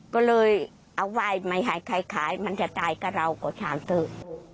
ก็เลยเอาไหว้ไม่ให้ใครขายมันจะตายกับเราก็ถามเถอะ